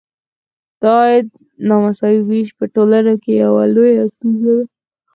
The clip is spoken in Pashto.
د عاید نامساوي ویش په ټولنو کې یوه لویه ستونزه ده.